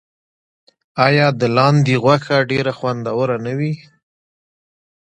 آیا د لاندي غوښه ډیره خوندوره نه وي؟